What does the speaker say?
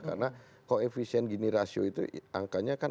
karena koefisien gini rasio itu angkanya kan empat puluh tiga